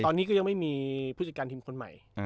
ตอนนี้ก็ยังไม่มีผู้จัดการทีมคนใหม่